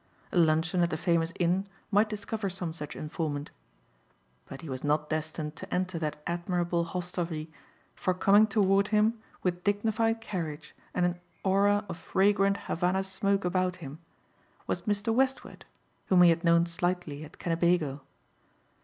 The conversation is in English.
A luncheon at the famous Inn might discover some such informant. But he was not destined to enter that admirable hostelry for coming toward him, with dignified carriage and an aura of fragrant havana smoke about him, was Mr. Westward whom he had known slightly at Kennebago.